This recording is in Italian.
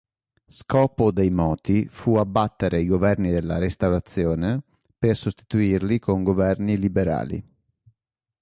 Scopo dei moti fu abbattere i governi della Restaurazione per sostituirli con governi liberali.